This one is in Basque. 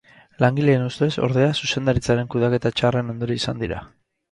Langileen ustez, ordea, zuzendaritzaren kudeaketa txarraren ondorio izan dira.